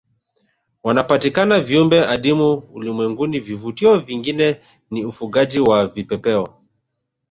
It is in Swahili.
Wanapatikana viumbe adimu ulimwenguni vivutio vingine ni ufugaji wa vipepeo